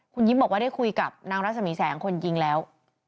คุณยิ้มบอกว่าได้คุยกับนางรัศมีแสงคนยิงแล้ว